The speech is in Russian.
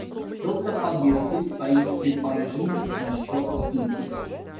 Доктор подтвердил свои предположения насчет Кити.